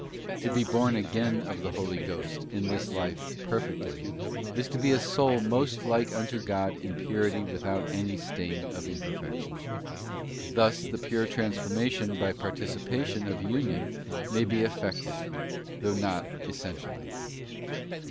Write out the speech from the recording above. To be born again of the Holy Ghost in this life perfectly, is to be a soul most like unto God in purity with out any stain of imperfection. Thus the pure transformation by participation of union may be effected, though not essentially.